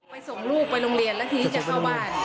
ส่งลูกไปโรงเรียนแล้วทีนี้จะเข้าบ้าน